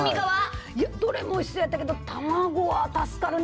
どれもおいしそうやったけど、卵は助かるね。